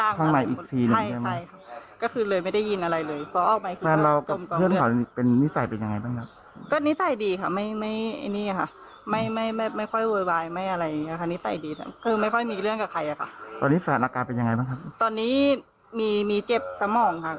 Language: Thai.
ไม่รู้มันเกิดขึ้นเร็วมากเลยว่ายังไงก็มันอยู่ตรงนั้นมันต้องจัง